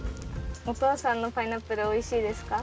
おとうさんのパイナップルおいしいですか？